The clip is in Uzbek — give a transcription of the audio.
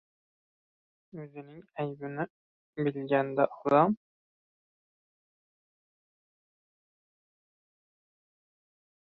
O‘zining aybini bilganda odam